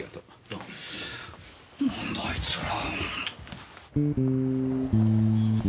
何なんだあいつら。